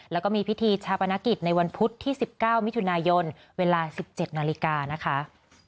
แล้วก็มีพิธีชาปนกิจในวันพุธที่๑๙มิถุนายนเวลา๑๗นาฬิกานะคะ